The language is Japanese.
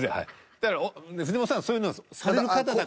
だから藤本さんはそういうのされる方だから。